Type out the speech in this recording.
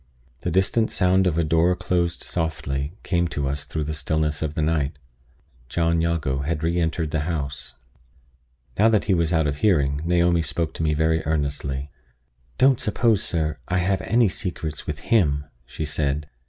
The distant sound of a door closed softly came to us through the stillness of the night. John Jago had re entered the house. Now that he was out of hearing, Naomi spoke to me very earnestly: "Don't suppose, sir, I have any secrets with him," she said.